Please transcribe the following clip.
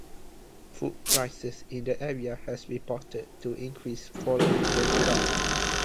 Food prices in the areas have been reported to increase following the drought.